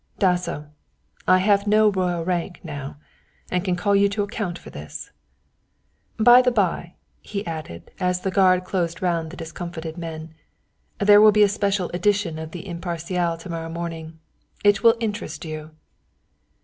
Dasso, I have no royal rank now, and can call you to account for this by the bye," he added, as the guard closed round the discomfited men, "there will be a special edition of the Imparcial to morrow morning. It will interest you."